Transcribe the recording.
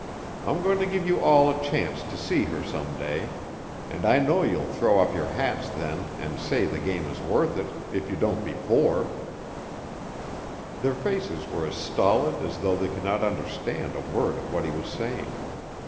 I'm going to give you all a chance to see her some day, and I know you'll throw up your hats then and say the game is worth it, if you don't before." Their faces were as stolid as though they could not understand a word of what he was saying.